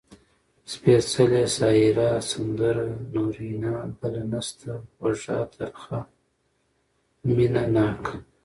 سپېڅلې ، سايره ، سندره، نورينه . بله نسته، خوږَه، ترخه . مينه ناکه